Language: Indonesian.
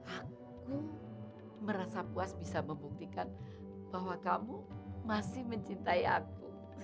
aku merasa puas bisa membuktikan bahwa kamu masih mencintai aku